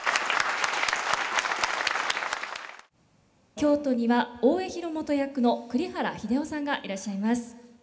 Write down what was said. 京都には大江広元役の栗原英雄さんがいらっしゃいます。